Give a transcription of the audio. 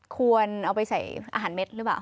ควรเอาไปใส่อาหารเม็ดหรือเปล่า